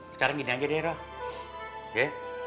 sekarang gini aja deh roh